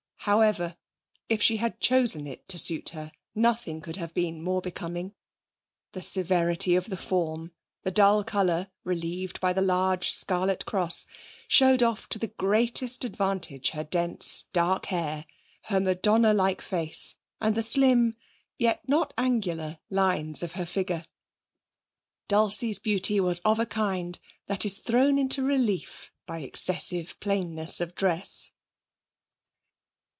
However, if she had chosen it to suit her, nothing could have been more becoming. The severity of the form, the dull colour, relieved by the large scarlet cross, showed off to the greatest advantage her dense dark hair, her Madonna like face and the slim yet not angular lines of her figure. Dulcie's beauty was of a kind that is thrown into relief by excessive plainness of dress.